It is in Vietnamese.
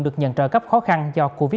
được nhận trợ cấp khó khăn do covid một mươi